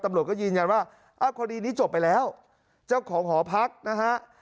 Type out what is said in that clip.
ตำรวจก็ยืนยันว่าอ้าวคดีนี้จบไปแล้วเจ้าของหอพักนะฮะ